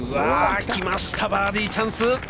来ました、バーディーチャンス。